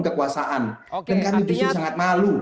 kekuasaan dan kami justru sangat malu